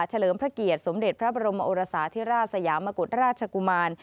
เลิมพระเกียรติสมเด็จพระบรมโอรสาธิราชสยามกุฎราชกุมาร